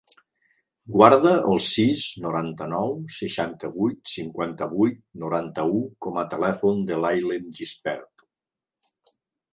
Guarda el sis, noranta-nou, seixanta-vuit, cinquanta-vuit, noranta-u com a telèfon de l'Aylen Gispert.